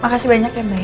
makasih banyak ya mbak ya